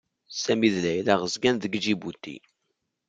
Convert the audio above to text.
Sami d Layla zedɣen deg Ǧibuti.